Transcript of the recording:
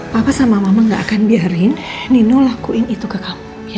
papa sama mama gak akan biarin nino lakuin itu ke kamu